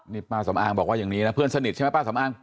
นี่ป้าสำอางบอกว่าอย่างนี้นะเพื่อนสนิทใช่ไหมป้าสำอาง